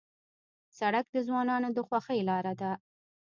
سړک د ځوانانو د خوښۍ لاره ده.